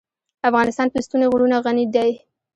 افغانستان په ستوني غرونه غني دی.